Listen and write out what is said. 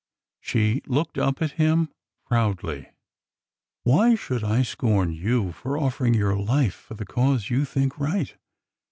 She looked up at him proudly. '' Why should I scorn you for oifering your life for the cause you think right?